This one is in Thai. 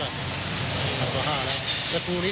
อเจมส์วิสัยก็เป็นของเจ้าครับมันจะให้สัมพันธ์ดี